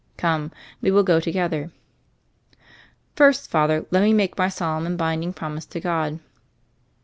Come: we will go together." "First, Father, let me make my solemn and binding promise to God."